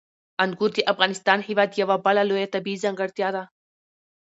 انګور د افغانستان هېواد یوه بله لویه طبیعي ځانګړتیا ده.